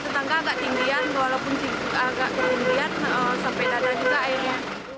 ke rumah tetangga agak tinggi walaupun agak ketinggi sampai dadah juga airnya